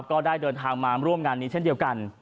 ก็ได้เดินทางมาร่วมงานนี้เช่นเดียวกัน